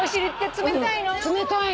冷たいの。